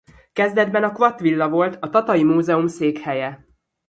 Kezdetben a Quadt-villa volt a tatai múzeum székhelye.